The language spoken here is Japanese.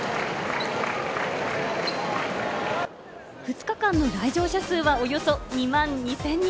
２日間の来場者数はおよそ２万２０００人。